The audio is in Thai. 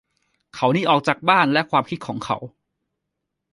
เขาหนีออกจากบ้านและความคิดของเขา